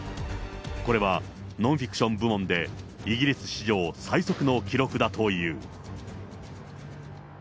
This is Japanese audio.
これはノンフィクション部門でイギリス史上最速の記録だという。